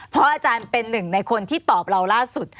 เพราะอาจารย์เป็นหนึ่งในคนที่ตอบเราล่าสุด